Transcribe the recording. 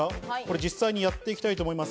実際にやっていきたいと思います。